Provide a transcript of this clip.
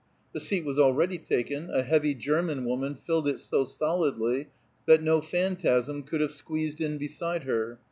The seat was already taken; a heavy German woman filled it so solidly that no phantasm could have squeezed in beside her.